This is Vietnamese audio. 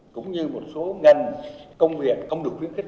cũng như một số ngành công việc không được khuyến khích